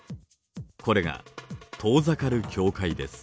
これが遠ざかる境界です。